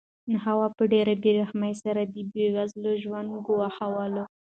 هوا په ډېرې بې رحمۍ سره د بې وزله کسانو ژوند ګواښلو.